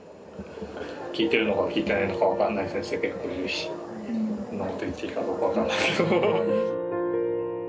聞いてるのか聞いてないのか分かんない先生結構いるしこんなこと言っていいかどうか分からないけど。